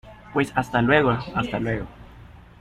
pues hasta luego. hasta luego .